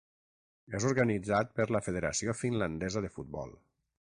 És organitzat per la Federació Finlandesa de Futbol.